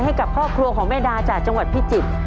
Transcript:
ให้กับครอบครัวของแม่ดาจากจังหวัดพิจิตร